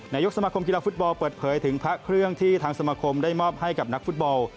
นายกสมาคมกีฬาฟุตบอลเปิดเผยถึงพระเครื่องที่ทางสมาคมได้มอบให้กับนักฟุตบอล